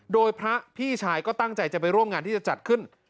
โดยพระพี่ชายก็ตั้งใจจะไปร่วมงานที่จะจัดขึ้น